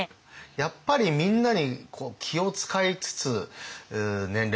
やっぱりみんなに気を遣いつつ年齢のこともあるし。